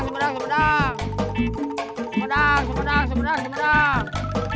sempedang sepedang sepedang sepedang